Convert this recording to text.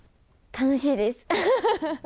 楽しいです！